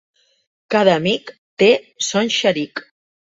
Cada amic té son xeric.